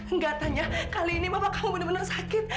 enggak tanya kali ini mama kamu bener bener sakit